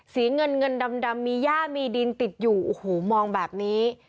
เงินเงินดำมีย่ามีดินติดอยู่โอ้โหมองแบบนี้